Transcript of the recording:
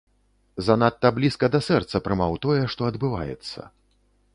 Занадта блізка да сэрца прымаў тое, што адбываецца.